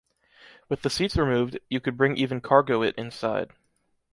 With the seats removed, you could bring even cargo it inside.